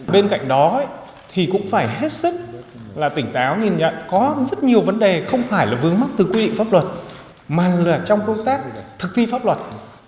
bên cạnh đó thì cũng phải hết sức là tỉnh táo nhìn nhận có rất nhiều vấn đề không phải là vướng mắt từ quy định pháp luật mà là trong công tác thực thi pháp luật